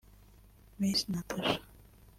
Miss Nathacha